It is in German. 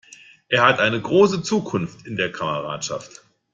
Er hat eine große Zukunft in der Kameradschaft!